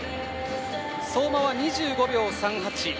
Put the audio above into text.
相馬は２５秒３８。